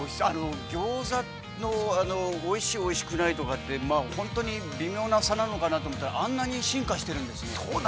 ◆餃子のおいしい、おいしくないとか、本当に微妙な差なのかなと思ったら、あんなに進化してるんですね。